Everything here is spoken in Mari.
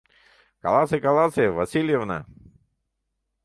— Каласе, каласе, Васильевна!